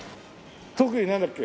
特技なんだっけ？